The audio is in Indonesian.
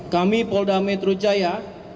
kami polda metro jaya